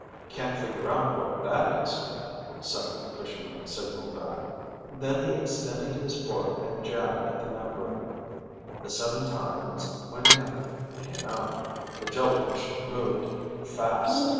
"Can't figure out what it is," the Second Fisherman signaled back. Then he extended his fork and jabbed at the membrane. The seven tines went in, came out. The jellyfish moved, fast.